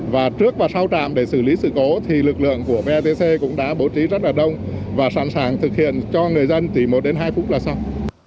và trước và sau trạm để xử lý sự cố thì lực lượng của betc cũng đã bố trí rất là đông và sẵn sàng thực hiện cho người dân thì một đến hai phút là xong